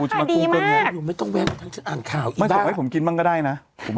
อุ้ยราคาดีมากไม่ต้องแว่งอ่านข่าวไม่ต้องให้ผมกินบ้างก็ได้น่ะ